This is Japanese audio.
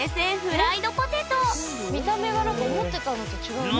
フライドポテト見た目が何か思ってたのと違うな。